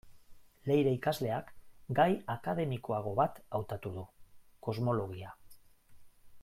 Leire ikasleak, gai akademikoago bat hautatu du: kosmologia.